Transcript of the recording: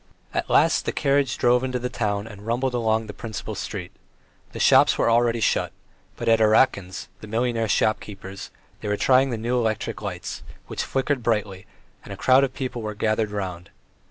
At last the carriage drove into the town and rumbled along the principal street. The shops were already shut, but at Erakin's, the millionaire shopkeeper's, they were trying the new electric lights, which flickered brightly, and a crowd of people were gathered round.